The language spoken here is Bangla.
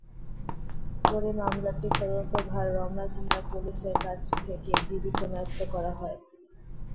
পরে মামলাটির তদন্তভার রমনা থানার পুলিশের কাছ থেকে ডিবিতে ন্যস্ত করা হয়।